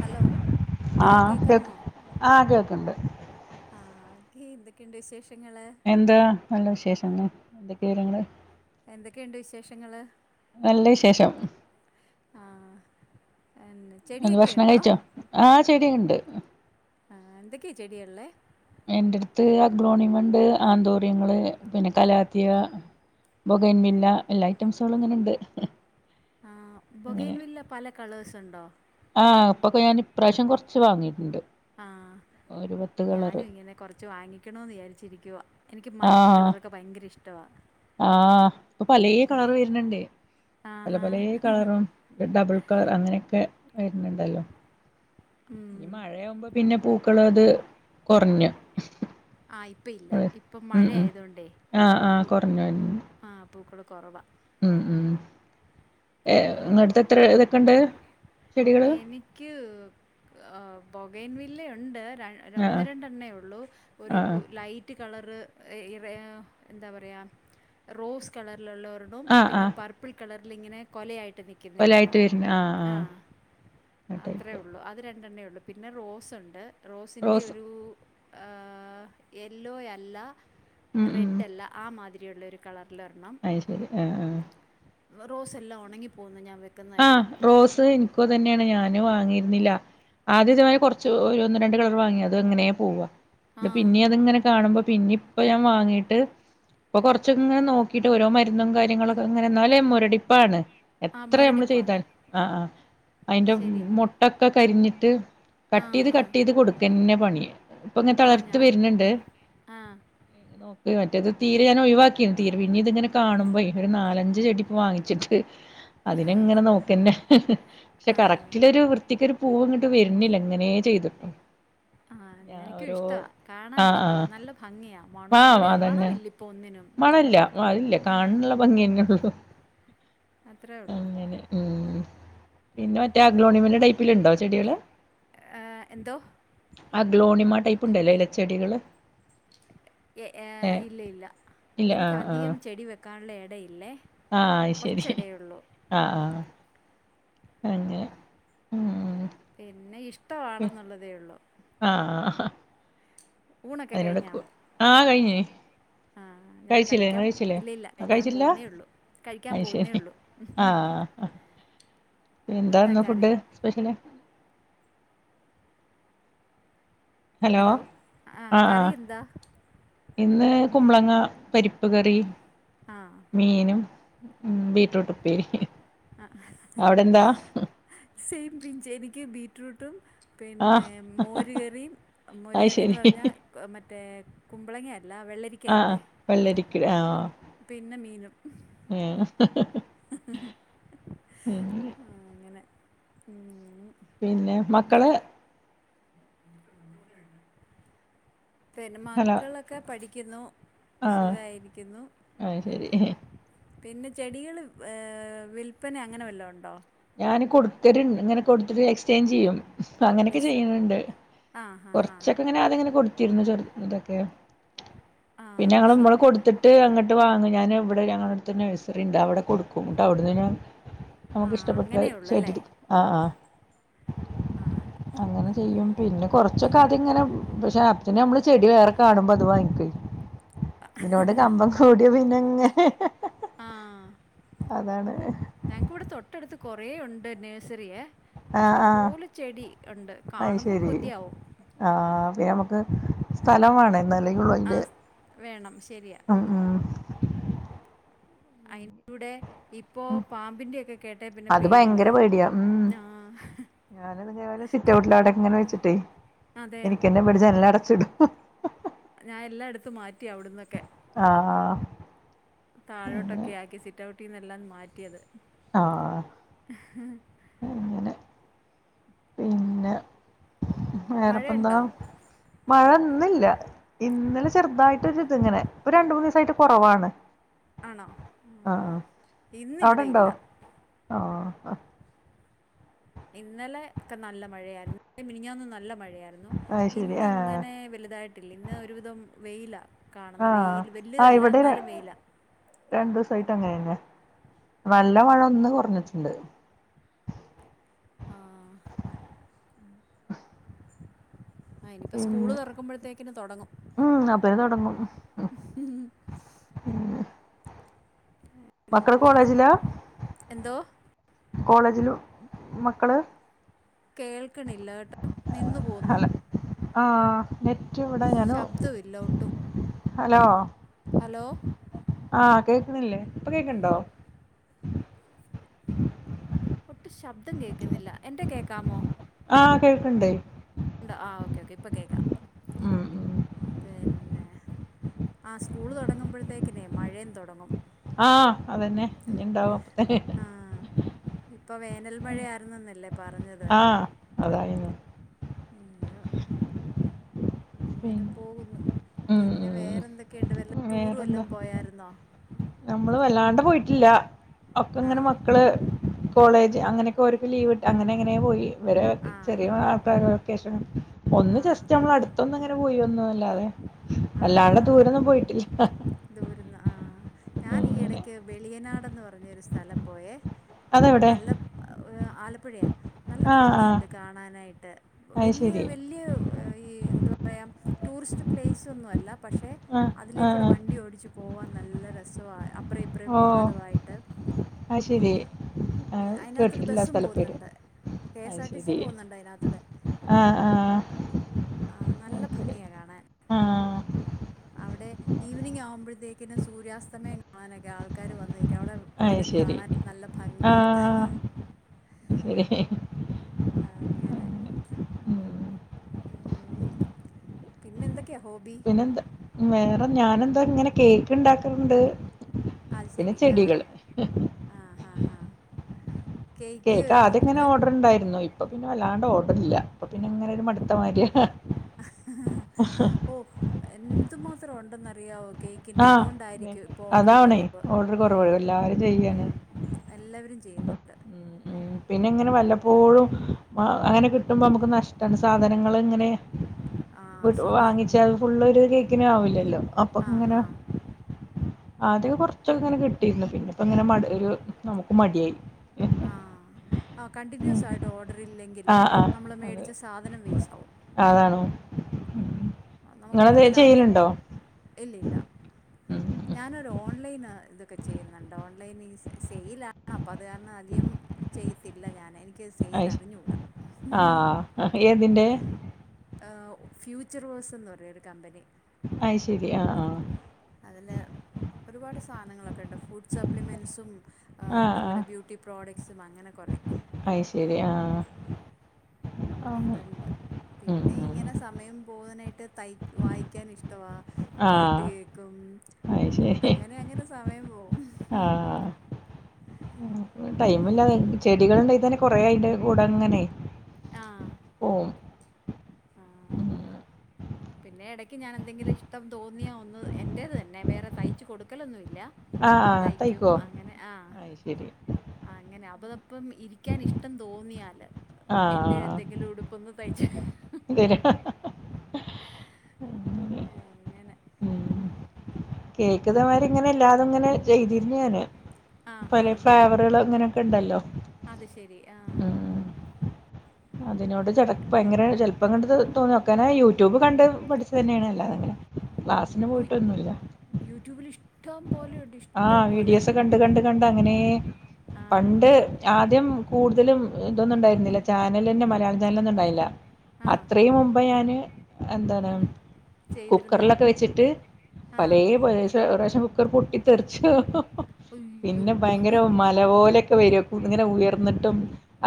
Hello hello ആഹ് കേക്ക് കേൾക്കാമോ ആഹ് കേൾക്ക്ണ്ട് ആഹ അത് എന്തൊക്കെയുണ്ട് വിശേഷങ്ങള് എന്താ നല്ല വിശേഷന്നെ എന്തൊക്കെയ വിവരങ്ങള് എന്തൊക്കെയുണ്ട് വിശേഷങ്ങള് നല്ല വിശേഷം ആഹ ആയെന്നെ എന്ത് ഭക്ഷണം കഴിച്ചോ ആഹ സെരിയാവുണ്ട് ആ എന്തൊക്കെയാണ് ചെടിയുള്ളത് എന്റെഅടുത്ത് അഗ്ലോണിമണ്ട് ആന്തോര്യങ്ങള് പിന്നെ കലാത്തിയ ബോഗൈൻ വില്ല എല്ലാ ഐറ്റംസുകളും ഇങ്ങനെ ഉണ്ട് ആഹ ബൊഗേൻ വില്ല പല കളേഴ്സ് ഉണ്ടോ ആഹ് ഇപ്പൊക്കെ ഞാൻ ഇപ്രാവശ്യം കൊറച്ചു വാങ്ങിട്ടുണ്ട് ആഹ ഞാനും ഇങ്ങനെ കുറച്ച് വാങ്ങിക്കണമന്ന് വിചാരിച്ചിരിക്കുവാ എനിക്ക് മഞ്ഞ ആഹ് കളർ ഒക്ക ഭയങ്കര ഇഷ്ടവാ ആഹ് ഇപ്പൊ പലേ കളർ വരുന്നുണ്ടേ പല ആഹാ പലേ കളറും ഡബിൾ കളർ അങ്ങനെക്കെ വരുന്നുണ്ടാല്ലോ ഈ ഉം. മഴയാകുമ്പോ പിന്നെ പൂക്കളത് അത് കുറഞ്ഞു ആഹ ഇപ്പ ഇല്ല ഇപ്പം മഴ ആയതൊണ്ടേ പിന്നൻ [inaudible] ആഹ പൂക്കള് കൊറവാ ഉം ഉം ഏഹ ഇങ്ങെടുത്തു എത്ര ഇതൊക്കുണ്ട് എനിക്ക്ആഹ് ബോഗൈൻ വില്ല ഉണ്ട് ര ആഹ് ഒന്ന് രണ്ടെണ്ണേ ഒള്ളൂ- ഒരു ആഹ് ലൈറ്റ് കളറ് ഈ വേ എന്താ പറയാ റോസ് കളറിലുള്ള ഒ രെണ്ണോം ആഹ് പിന്നെ ആഹ് പെർപ്പിൾ കളറിലിങ്ങനെ കൊലയായിട്ട് നിക്കുന്ന കൊലായിട്ട് ഒരെണ്ണോം വരുന്ന ആഹ് ആഹ് ആ അത്രേ ടൈപ്പ് ഉള്ളു അത് രണ്ടെണ്ണയേ ഉള്ളു പിന്നെ റോസ് ഒണ്ട് റോസ് റോസിന്റെയൊരു ആഹ് യെല്ലോ അല്ല ഉം ഉം റെഡ് അല്ല ആ മാതിരിയുള്ള ഒരു കളറിലൊരെണ്ണം- അയ്ശരി ആഹ് ആഹ്- വാ റോസെല്ലാം ഒണങ്ങിപ്പോകുന്നു ഞാൻ വെ ആഹ് റോസ് എനിക്കൊതെന്നായാണ് ഞാനതു വാങ്ങിയിരുന്നില്ല ആദ്യം ഇതുമാതിരി കൊറച്ച് ഒരു ഒന്ന് രണ്ട് കളർ വാങ്ങി അത് അങ്ങനെ പോവാ- ആ ത് പിന്നെ അതിങ്ങനെ കാണുമ്പോ പിന്നേം ഇപ്പോ ഞാൻ വാങ്ങീട്ട് ഇപ്പൊ കുറച്ചൊക്കെ ഇങ്ങനെ നോക്കിട്ട് ഓരോ മരുന്നും കാര്യങ്ങളൊക്കെ ഇങ്ങനെ എന്നാലും മുരടിപ്പാണ് ആ എത്ര നമ്മള് മുരടിപ്പാണ് ചെയ്താലും ആഹ് അതിന്റെ ശരിയാ. മൊട്ടൊക്കെ കരിഞ്ഞിട്ട് ആ, കട്ട്ചെയ്ത് ആ. കട്ട്ചെയ്ത് കൊടുക്കന്നെ പണി ഇപ്പൊ ഇങ്ങനെ ആ, തളിർത്ത് ഞാൻ വരുന്നുണ്ട് ആ, [inaudible] നോക്ക മറ്റേത് തീരെ ഞാൻ ഒഴിവാക്കിന്നു തീരെ പിന്ന ഇതി ഇങ്ങനെ കാണുമ്പോ ഒരു നാലഞ്ച് ചെടി ഇപ്പ വാങ്ങിച്ചിട്ട് അതിനെങ്ങനെ നോക്കന്നെ പക്ഷെ ആ, കറക്റ്റിലൊരു വൃ ത്തിക്കൊരു പൂവ് ഇങ്ങട്ട് വരുന്നില്ല ഇങ്ങനെ ചെയ്തിട്ടും- ആഹ് ഞാൻ എനിക്കും ഓരോ ഇഷ്ടവാ കാണാൻ ആഹ് ഇഷ്ടവാ ആഹ് നല്ല ഭംഗിയാ മണവും കൂടി മണം ഇല്ലി പ്പോ ഒന്നിനും- മണംല്യ അതില്ല ആ, കാണാനുള്ള ഭങ്ങിയെന്നേയുള്ളു അത്രേ ഉള്ളൂ. അങ്ങനെ- മ് ഹ്- പിന്നെ മറ്റേ അഗ്ലോണിമന്റെ ടൈപ്പിലുണ്ടോ ചെടികള് ഏ, എന്തോ? ആഗ്ലോണിമ ടൈപ്പ് ഉണ്ടല്ലേ ഇലച്ചെടികള് ഏഹ് ഇല്ല ഇല്ല ഇല്ല എനിക്ക് ആഹ് ആഹ് അധികം ചെടി വെക്കാനുള്ള എടയില്ലേ ആഹ് അയ്ശരി ആഹ് ആഹ് അങ്ങനെ ഉം പിന്നെ പി ഇഷ്ടവാണെന്നുള്ളതേ ഉള്ളൂ ആഹ് ആഹ് - ഊണൊക്കെ അതിനോട് കു ആഹ് കഴിഞ്ഞേ- ആഹ് ഞാൻ കഴിച്ചില്ലേ നിങ്ങൾ കഴിക്കാൻ കഴിച്ചില്ലേ ഇല്ലില്ല ആ കഴിക്കാൻ കഴിച്ചില്ല പോവുന്നേയുള്ളൂ കഴിക്കാൻ അത് ശരി പോകുന്നേയൊള്ളൂ ആഹ് എന്താന്ന് കറി? ഫുഡ് സ്പെഷ്യല് ഹലോ ആഹ് കറി എന്താ ഇന്ന് കുമ്പളങ്ങ പരിപ്പ് കറി ആഹ് മീനും ബീ ആഹ് അവിടെ എന്താ സെയിം പിഞ്ച് എനിക്ക് ബീറ്റ്റൂട്ടും ആഹ് പിന്നെ മോരുകറീം അത് ശരി മോരുകറീന്ന് പറഞ്ഞാ മറ്റേ കുമ്പളങ്ങ അല്ല വെള്ളരി ആഹ് ക്കായ്ട്ട വെള്ളരിക്ക പിന്നെ മീനും- ഉം- [inaudible] ആ, അങ്ങനെ [inaudible] പിന്നെ മക്കള് പിന്നെ ഹലോ മക്കളൊക്കെ പഠിക്കുന്നു ആഹ് സുഖായിരിക്കുന്നു അത് ശരി പിന്നെ ചെടികള് വില്പന അങ്ങനെ വല്ലോം ഉണ്ടോ ഞാന് കൊടുത്തര് ഇങ്ങനെ കൊടുത്തിട്ട് എക്സ്ചേഞ്ച് ചെയ്യും ഇപ്പോ അങ്ങനെയൊക്കെ എക്സ് ചെയ്യുന്നുണ്ട് ആഹ് ഹാ ഹാ കൊറച്ചൊക്കെ ഇങ്ങനെ ആദ്യം ഇങ്ങനെ കൊടുത്തിരുന്നു ചെർ ഇതൊക്കെ ആഹ് പിന്നെ അത് ഞങ്ങള് നമ്മള് ശരി കൊടുത്തി ട്ട് അങ്ങട്ട് വാങ്ങും ഞാന് ഇവിടെ ഞങ്ങളുടെ അടുത്തൊരു നഴ്സറിയുണ്ട് അവിടെ കൊടുക്കും എന്നിട്ട് അവിടുന്ന് പിന്നെ ആഹ് അങ്ങനെയേ ഉള്ളല്ലേ ആഹ് ആഹ് ആഹ് അങ്ങനെ ചെയ്യും ആഹ് പിന്നെ കൊറച്ചൊക്കെ അതിങ്ങനെ പക്ഷെ അപ്പത്തേന് നമ്മള് ചെടി വേറെ കാണുമ്പോ അത് വാങ്ങിക്കും ഇതിനോട് കമ്പം കൂടിയാ പിന്നങ്ങ് അതാണ് ഞങ്ങക്കിവിടെ തൊട്ടടുത്ത് കൊറേയുണ്ട് നേഴ്സറിയെ ആഹ് ഇഷ്ടം ആഹ് പോലെ ചെടി ഉണ്ട് അത് കാണുമ്പം ശരി കൊതിയാവും ആഹ് പിന്നെ നമുക്ക് സ്ഥലം വേണേ എന്നാലേ ഉള്ളൂ അതിന്റെ ആഹ് വേണം ശരിയാ ഉം ഉം അയ്നിവിടെ ഇപ്പോ പാമ്പിന്റെയൊക്കെ കേട്ടേ പിന്നെ അത് പേടിയുവായി ആഹ് ഞാന് ഇതേപോലെ സിറ്റൗട്ടിൽ അവിടെ അങ്ങനെ വെച്ചിട്ടേ അതെ എനിക്ക് തന്നെ പേടി ജനലടച്ചിടും ഞാൻ എല്ലാം എടുത്ത് മാറ്റി അവിടുന്നൊക്കെ ആഹ് അങ്ങനെ താഴോട്ടൊക്കെ ആക്കി സിറ്റൗട്ടീന്ന് എല്ലാം മാറ്റിയത് ആഹ് അങ്ങനെ വേറെയിപ്പോ എന്താ മഴയുണ്ടോ മഴ ഇന്നില്ല ഇന്നലെ ചെറുതായിട്ടൊരു ഇതിങ്ങനെ ഇപ്പോ രണ്ട് മൂന്ന് ദിവസമായിട്ട് കുറവാണ് ആണോ ഉം ആഹ് ഇന്നിവിടെ അവിടെണ്ടോ ഇല്ല ആഹ് ഇന്നലെ ഒക്കെ നല്ല മഴയായിരുന്നു മിനിഞ്ഞാന്നും നല്ല മഴയായിരുന്നു അത് ശരി ആഹ് ഇന്നങ്ങനെ വലുതായിട്ടില്ല ഇന്ന് ഒരുവിധം വെയിലാ കാണുന്ന വെയിൽ വല്യതല്ല എന്നാലും വെയിലാ രണ്ടൂസായിട്ട് അങ്ങനെ തന്നെ നല്ല മഴ ഒന്ന് കുറഞ്ഞിട്ടുണ്ട് ആഹ് ആഹ് ഇനിയിപ്പോ സ്കൂള് പിന്നെ തുറക്കുമ്പോഴത്തേക്കിന് തൊടങ്ങും ഉം അപ്പഴേ തുടങ്ങും അങ്ങനെ മക്കള് പോന്നു കോളേജിലാ എന്തോ കോളേജിലും മക്കള് കേൾക്കിണില്ല കെട്ടോ നിന്ന് പോകുന്നു. ഹലോ ആഹ് നെറ്റ് ക്ക് ഇവിടെ ഞാനു ശബ്ദമില്ല ഒട്ടും ഹലോ ഹലോ ആഹ് കേക്കുന്നില്ലേ ഇപ്പൊ കേക്കുന്നുണ്ടോ ഒട്ടും ശബ്ദം കേക്കുന്നില്ല എന്റെ കേക്കാമോ ആഹ് കേൾക്കണ്ടെയ് ഉണ്ടോ ആ ഓക്കെ ഓക്കെ ഇപ്പൊ കേൾക്കാം ഉം ഉം പിന്നെ ആഹ് സ്കൂള് തുടങ്ങുമ്പഴ്ത്തേക്കിന് മഴേം തുടങ്ങും. ആഹ് അതെന്നെ ഇനി ഇണ്ടാവും [unintelligible] ആഹ് ഇപ്പോ വേനൽ മഴയായിരുന്നുന്നല്ലേ. ആഹ് അതായിരുന്നു. അയ്യോ അങ്ങനെ പിന്നെ പോവുന്നു ഉം പിന്നെ വേറെ എന്തൊക്കെയുണ്ട് വല്ല ഉം ടൂറ് വല്ലം വേറെന്താ പോയായിരുന്നോ നമ്മള് വല്ലാണ്ട പോയിട്ടില്ല ഒക്കെങ്ങനെ ആഹ് മക്കള്. കോളേജ് അങ്ങനെയൊക്കെ ഓര്ക്ക് ലീവ്ണ്ട് അങ്ങനങ്ങനെ പോയി ഇവരെ ആഹ് ചെറിയ ആൾക്കാരാ. വെക്കെഷം ഒന്ന് ആഹ് ജസ്റ്റ് നമ്മളട്ത്തൊന്ന് ഇങ്ങനെപോയി വന്നേല്ലാതെ. ആഹ് അല്ലാണ്ട ഹാ ഹാ ദൂരൊന്നും പോയിട്ടില്ലൃ [unintelligible] ദൂരെന്ന് ആഹ് ഞാന് ഈ എടയ്ക്ക് വെളിയനാടെന്ന് പറഞ്ഞൊരു സ്ഥലം പോയേ. അതെവിടെ നല്ല പ്ഇ ആലപ്പുഴയാ. നല്ല ആഹ് ആഹ് ഭംഗിയുണ്ട് കാണാനായിട്ട് അത് വല്ലൃ ശരി വല്ലൃ വെ ഈ എന്താ പറയാ ടൂറിസ്റ്റ് പ്ലേയിസ് ഒന്നുഅല്ല പക്ഷെ ആഹ് അതിലേക്കൂടെ ആഹ് വണ്ടി ഓടിച്ചു പോവാൻ നല്ല രസവാ അപ്പെറം ഇപ്പെറം പാടുവായിട്ട്. അയ്ശെരി. ആഹ് അതിനകത്തൂടെ കേട്ടില്ല ബസ്സും സ്ഥലപേര് പോകുന്നുണ്ട് K S R T C അയ്ശെരി. പോകുന്നുണ്ട് അതിനകത്തൂടെ ആഹ് ആഹ്. ആഹ് നല്ല അത് ശരി ഭംഗിയാ കാണാൻ. ആഹ്. അവിടെ ഈവനിങ് ആകുമ്പോഴത്തേക്കിന് സൂര്യാസ്തമയം കാണാനൊക്കെ ആൾക്കാര് വന്ന്നിക്കും അവിടെ അത് അതും ശരി കാണാൻ നല്ല ഭംഗിയാ ആഹ് ശരി അങ്ങനെ. ഉം ഉം പിന്നെന്തൊക്കെയാ ഹോബി. അതന്നെന്ത് വേറെ ഞാനെന്താ ങ്ങനെ കേ ക്ക്ണ്ടാക്ക്ണ്ട് പിന്നെ ചെടികള്. ആഹ് അഹ് ആഹ് കേക്കാദൃങ്ങനെ ഓഡ്ർണ്ടായിരുന്നു ഇപ്പൊ പിന്നെ വല്ലാണ്ട് ഓഡ്ർ ഇല്ലൃ അപ്പൊ പിന്നെ എങ്ങനെ ഒരു മടുത്തമാതിയാ [unintelligible] ഓ എന്തുമാത്രം ഉണ്ടെന്നറിയാവോ കേക് ക്കിൻ്റെ ആഹ് അതുകെണ്ടായിരിക്കു ഇപ്പൊ ഓർഡർ അതാവണേ കുറവ് ഓർഡർ ഉം കുറവ് എല്ലാരും ചെയ്യാണ് ഉം. എല്ലവെരും ചെയ്യുന്നുണ്ട്. പിന്നെങ്ങനെ വല്ലപ്പോഴും അങ്ങനെ കിട്ടുമ്പോ നമുക്ക് നഷ്ടാണ് സാധനങ്ങള് ഇങ്ങനെ. ആ ഒന്ന് ശരിയാ വാങ്ങിച്ചാത് ഫുള്ളെര് കേക്കിന് ആവില്ലല്ലോ അപ്പൊ ആ അങ്ങനെ ഹാ ആദ്യക്കെ കുർച്ചൊക്കെ ഇങ്ങനെ കിട്ടീയ്ന്നു പിന്നെ ഇപ്പങ്ങനെ മ ഒരു നമുക്കും മടിയായി. ആഹ് കണ്ടിന്യൂസായിട്ട് ഓഡറി ഇല്ലെങ്കില് ആഹ് ആഹ് നമ്മള് അത് മേടിച്ച സാധനം വേസ്റ്റാവും. അതാണോ ഉം നമുക്ക് ഇങ്ങളെന്തെലും മുതലാവത്തില്ല ചെയ്യലുണ്ടോ. ഇല്ല ഇല്ല ഉം ഉം ഞാനൊരു ഓൺലൈന് ഇതൊക്കെ ചെയ്യുന്നുണ്ട് ഓൺലൈൻ ഈ സെയിലാ അപ്പ അത് കാരണം അധികം ചെയ്തില്ല ഞാന് എനിക്ക് സെയിൽ അത് ശരി അറിഞ്ഞുടാ. ആഹ് ഏതിന്റെ ആഹ് ഫ്യൂച്ചർ വേഴ്സെന്ന് പറയുന്ന ഒരു കമ്പനി. അയ്ശരി ആഹ് ആഹ് അതില് ഒരുപാട് സാധനങ്ങളൊക്കെ ഉണ്ട് ഫുഡ് സപ്ലിമെന്റ്സും ആഹ് നമ്മുടെ ബ്യൂട്ടി പ്രോഡക്ട്സും അങ്ങനെ കുറേ അയ്ശരി ആഹ് ആഹ് അതുണ്ട് ഉം പിന്നെ ഉം ഇങ്ങനെ സമയം പോകാനായിട്ട് തൈ - വായിക്കാൻ ഇഷ്ടവാ പാട്ട് ആഹ് കേക്കും. അത് ശരി അങ്ങനെ അങ്ങനെ സമയം പോവും ഉം ടൈമില്ലാ എൻക്ക് ചെടികള്ണ്ടെങ്കി തന്നെ കൊറേ അയിന്റെ കൂടെ ഇങ്ങനെ ആഹ് ഓം പിന്നെ ഇടക്ക് ഞാൻ എന്തെങ്കിലും ഇഷ്ടം തോന്നിയാ ഒന്ന് എന്റേത് തന്നെ വേറെ തയ്ച്ചു കൊടുക്കലൊന്നുല്ല ആഹ് ആഹ് തയ്ക്കും തൈക്കോ അങ്ങനെ ആഹ് അത് ശരി അങ്ങനെ അതപ്പം ഇരിക്കാൻ ഇഷ്ടം തോന്നിയാല്. എൻ്റെ എന്തെങ്കിലും ഉടുപ്പൊന്ന് തയ്ച് - തില് ഹ ഹ അങ്ങനെ കേൾക്ക്തേമാരിങ്ങനെ എല്ലാതും ഇങ്ങനെ ചെയ്തിരുന്നു ഞാന്. ആ ഹാ പല ഫ്ലേവറുകളും അങ്ങനെക്കെ ഇണ്ടല്ലോ അത് ശെരി ആഹ്. അതിനോട് ചെടപ്പ ഇങ്ങെനെ ചെലപ്പങ്ങട്ട് തോന്നുക്കനെ. യൂട്യൂബ് കണ്ട് പഠിച്ചതന്നേണ് അല്ല അങ്ങനെ ക്ലാസ്സിന് ഉയ് പോയിട്ടൊന്നുല്ല യൂട്യൂബിൽ ഇഷ്ടം പോലെയുട് ഇഷ്- ആഹ് വിഡിയോസ് കണ്ട് കണ്ട് കണ്ട് അങ്ങനെ ആ പണ്ട്. ആദ്യം കൂടുതലും ഇതൊന്നും ഉണ്ടായിരുന്നില്ല ചാനലെന്നെ മലയാള ചാനലൊന്നും ഉണ്ടായില്ല. ആ അത്രയും മുമ്പ് ഞാന് എന്താണ്. ചെയ്തിരുന്നതാ കുക്കറ്ലൊക്കെ വെച്ചിട്ട് ആ പലേ പോലെ ഒരു റാശ്യം കുക്കർ പൊട്ടിത്തെറിച്ചു. അയ്യോ പിന്നെ ഭയങ്കര മല പോലൊക്കെ വരും ഇങ്ങനെ ഉയർന്നിട്ടും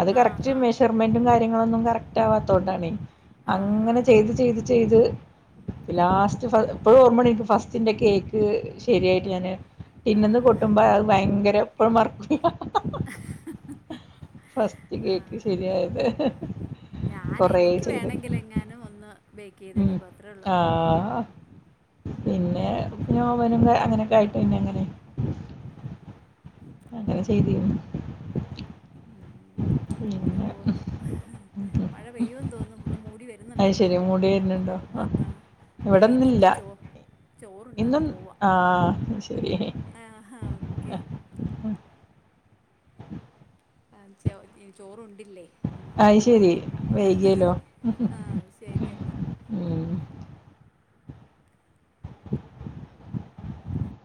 അത് ആ കറക്റ്റ് ഹാ മെഷർമെൻറും കാര്യങ്ങളൊന്നും കറക്റ്റ് ആവാത്തോണ്ടാണെ. ആ ഹാ അങ്ങനെ ഹാ ചെയ്ത് ചെയ്ത് ചെയ്ത് ലാസ്റ്റ് ഫ ഇപ്പളും ഓർമ്മണ്ട് എനിക്ക് ഫസ്റ്റിന്റെ കേക്ക് ശെരിയായിട്ട് ഞാന് ആ പിന്നന്ന് പ്പൊട്ടുമ്പോ അത് ഭയങ്കര ഇപ്പളും മറക്കൂല. ഫസ്റ്റ് കേക്ക് ശരിയായത് കൊറേ ചെയ്ത്ണ്. ങ്ങാനും ഒന്ന് ബേക്ക് ഉം ചെയ്തെടുക്കും അത്രേ ഉള്ളൂ ആഹ് പിന്നെ നോവനുക്കെ അങ്ങനെക്കെ ആയിട്ടെന്നെ ഇങ്ങനെ [inaudible] അങ്ങനെ ചെയ്തീനി ഉം ഇങ്ങനെ പിന്നെ പോകുന്നു. മഴ പെയ്യുമെന്ന് തോന്നു. ഒന്ന് മൂടി വരുന്ന്ണ്ട്. മൂടിവരുന്ണ്ടോ ആഹ് ഞാൻ ഇവിടന്നില്ല ഇനിയിപ്പോൾ ചോ ചോറുണ്ണാൻ ഇന്നും ആ ശെരി ആഹ് ഹാ ഓക്കെ [inaudible] ആംചെ ചോറുണ്ടില്ലേ എന്നാം അയ് പോവ ശരി ഇനി വൈകിയല്ലോ ആ ശെരി എന്നാ ഉം. [inaudible]